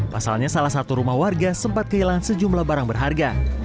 pasalnya salah satu rumah warga sempat kehilangan sejumlah barang berharga